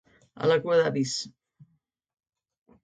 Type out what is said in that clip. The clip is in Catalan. A la cua d’avis.